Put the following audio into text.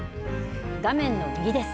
画面の右です。